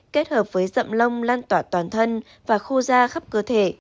kết hợp với dậm long lan tỏa toàn thân và khô da khắp cơ thể